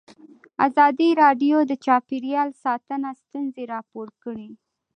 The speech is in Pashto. ازادي راډیو د چاپیریال ساتنه ستونزې راپور کړي.